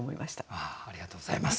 ありがとうございます。